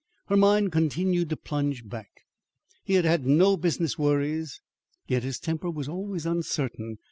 Her mind continued to plunge back. He had had no business worries; yet his temper was always uncertain.